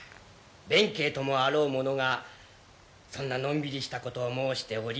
弁慶ともあろう者がそんなのんびりしたことを申しておりますか。